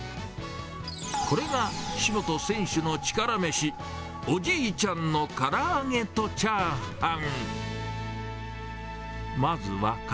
これが岸本選手のチカラ飯、おじいちゃんのから揚げとチャーハン。